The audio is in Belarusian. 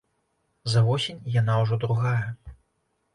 За восень яна ўжо другая.